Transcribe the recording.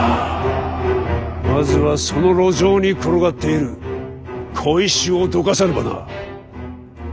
まずはその路上に転がっている小石をどかさねばな。